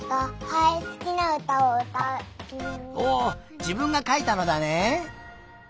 おおじぶんがかいたのだね。